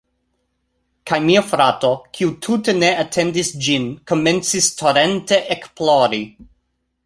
Kaj mia frato, kiu tute ne atendis ĝin, komencis torente ekplori.